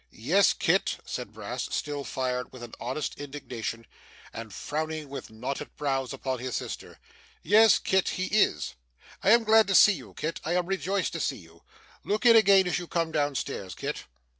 'Yes, Kit,' said Brass, still fired with an honest indignation, and frowning with knotted brows upon his sister; 'Yes Kit, he is. I am glad to see you Kit, I am rejoiced to see you. Look in again, as you come down stairs, Kit.